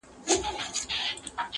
سهار چي له خلوته را بهر سې خندا راسي-